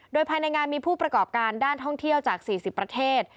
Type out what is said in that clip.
โดยภายในงานมีผู้ประกอบการด้านท่องเที่ยวจาก๔๐ประเทศ